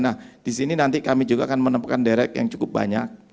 nah di sini nanti kami juga akan menemukan direct yang cukup banyak